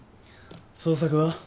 捜索は？